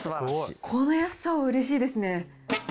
この安さはうれしいですね。